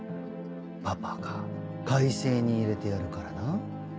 パパが開成に入れてやるからな。